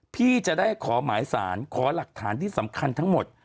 พี่จะได้ขอหมายสารขอหลักฐานที่สำคัญทั้งหมด